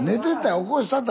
起こしたった？